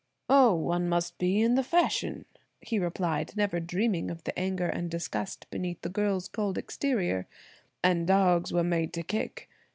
"Oh, one must be in the fashion!" he replied, never dreaming of the anger and disgust beneath the girl's cold exterior. "And dogs were made to kick.